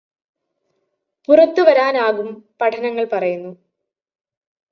പുറത്ത് വരാനാകും പഠനങ്ങള് പറയുന്നു